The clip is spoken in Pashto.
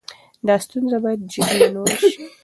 دا ستونزه باید جدي ونیول شي.